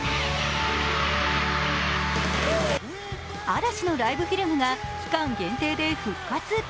嵐のライブフィルムが期間限定で復活。